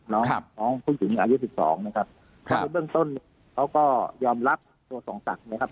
น้องน้องผู้หญิงอายุสิบสองนะครับครับในเบื้องต้นเขาก็ยอมรับตัวส่งศักดิ์นะครับ